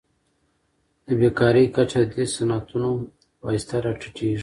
د بیکارۍ کچه د دې صنعتونو په واسطه راټیټیږي.